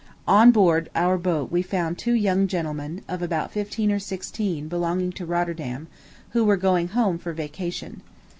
On board our boat we found two young gentlemen, of about fifteen or sixteen, belonging to Rotterdam, who were going home for vacation..